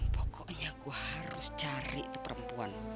pokoknya gue harus cari tuh perempuan